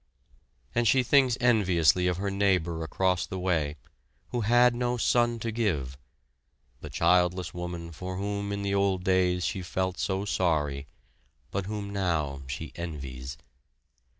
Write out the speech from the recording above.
And she thinks enviously of her neighbor across the way, who had no son to give, the childless woman for whom in the old days she felt so sorry, but whom now she envies.